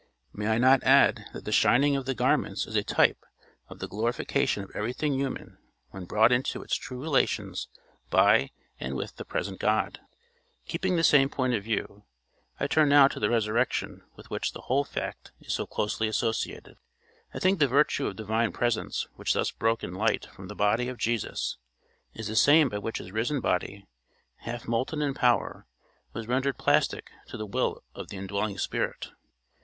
May I not add that the shining of the garments is a type of the glorification of everything human when brought into its true relations by and with the present God? Keeping the same point of view, I turn now to the resurrection with which the whole fact is so closely associated: I think the virtue of divine presence which thus broke in light from the body of Jesus, is the same by which his risen body, half molten in power, was rendered plastic to the will of the indwelling spirit.